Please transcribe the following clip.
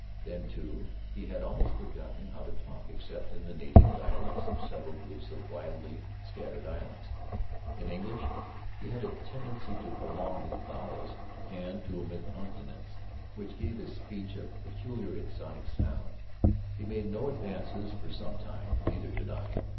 Then, too, he had almost forgotten how to talk except in the native dialects of several groups of widely scattered islands. In English he had a tendency to prolong his vowels and to omit consonants, which gave his speech a peculiar exotic sound. He made no advances for some time. Neither did I.